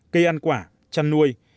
cây ăn quả chăn nuôi